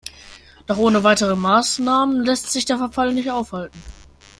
Doch ohne weitere Maßnahmen lässt sich der Verfall nicht aufhalten.